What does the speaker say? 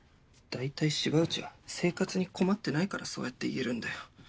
だいたい芝内は生活に困ってないからそうやって言えるんだよ。